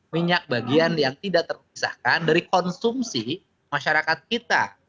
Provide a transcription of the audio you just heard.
minyak bagian yang tidak terpisahkan dari konsumsi masyarakat kita